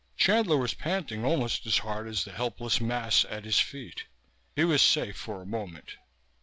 Chandler was panting almost as hard as the helpless mass at his feet. He was safe for a moment.